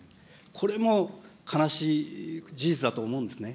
これも悲しい事実だと思うんですね。